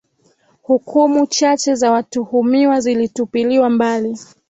hukumu chache za watuhumiwa zilitupiliwa mbali